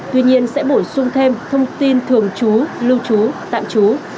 tuy nhiên sẽ bổ sung thêm thông tin thường trú lưu trú tạm trú